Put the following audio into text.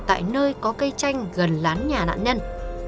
tại nơi có cây chanh gần lán nhà nạn nhân